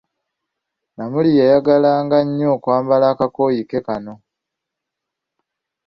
Namuli yayagala nga nnyo okwambala akakooyo ke kano.